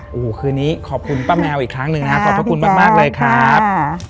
โอ้โหคืนนี้ขอบคุณป้าแมวอีกครั้งหนึ่งนะครับขอบพระคุณมากเลยครับ